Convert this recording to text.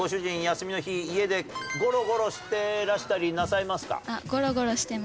休みの日家でゴロゴロしてらしたりなさいますか？